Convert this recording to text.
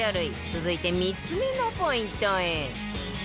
続いて３つ目のポイントへ